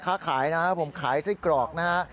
ข้าขายนะครับผมขายสิ้นกรอกนะครับ